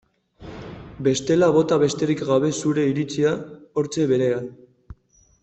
Bestela bota besterik gabe zure iritzia hortxe behean.